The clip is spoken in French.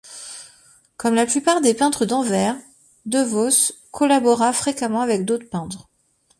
Comme la plupart des peintres d'Anvers, De Vos collabora fréquemment avec d'autres peintres.